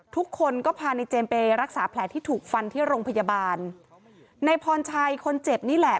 ทุกคนก็พาในเจมส์ไปรักษาแผลที่ถูกฟันที่โรงพยาบาลในพรชัยคนเจ็บนี่แหละ